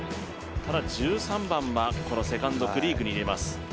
ただ１３番はこのセカンドクリークに入れます。